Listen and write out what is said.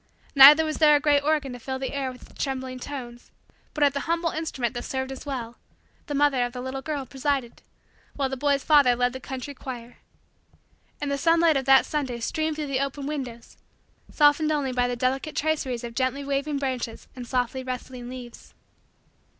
Neither was there a great organ to fill the air with its trembling tones; but, at the humble instrument that served as well, the mother of the little girl presided, while the boy's father led the country choir. And the sunlight of that Sunday streamed through the open windows, softened only by the delicate traceries of gently waving branches and softly rustling leaves.